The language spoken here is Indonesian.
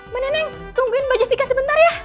mbak neneng tungguin mbak jessica sebentar ya